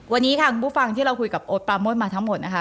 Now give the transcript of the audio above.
วันนี้ค่ะคุณผู้ฟังที่เราคุยกับโอ๊ตปราโมทมาทั้งหมดนะคะ